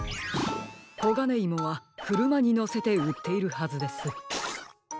コガネイモはくるまにのせてうっているはずです。